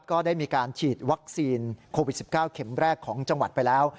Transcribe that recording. ก็ได้มีการฉีดวัคซีนโควิด๑๙เข็มแรกของจังหวัดไปแล้ว